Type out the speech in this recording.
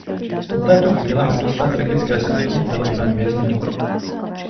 Od této chvíle až do své tragické smrti byl Ivan vězněn.